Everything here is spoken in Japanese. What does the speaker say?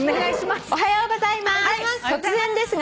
「おはようございます。